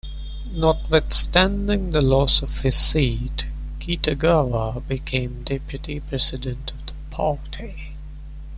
Notwithstanding the loss of his seat, Kitagawa became deputy president of the party.